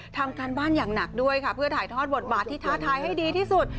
ทำการบ้านอย่างหนักด้วยค่ะเพื่อถ่ายทอดบทบาทที่ท้าทายให้ดีที่สุด